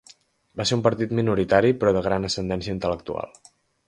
Va ser un partit minoritari però de gran ascendència intel·lectual.